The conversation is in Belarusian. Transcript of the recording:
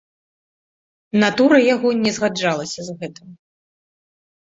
Натура яго не згаджалася з гэтым.